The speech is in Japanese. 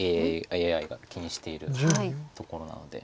ＡＩが気にしているところなので。